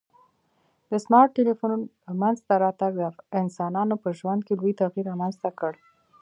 د سمارټ ټلیفون منځته راتګ د انسانانو په ژوند کي لوی تغیر رامنځته کړ